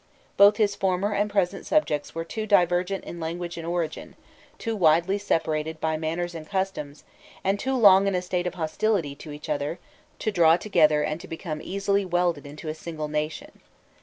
Both his former and present subjects were too divergent in language and origin, too widely separated by manners and customs, and too long in a state of hostility to each other, to draw together and to become easily welded into a single nation.